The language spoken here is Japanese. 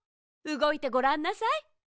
うごいてごらんなさい。